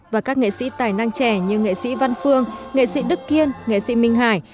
và các nghệ sĩ tài năng trẻ như nghệ sĩ văn phương nghệ sĩ đức kiên nghệ sĩ minh hải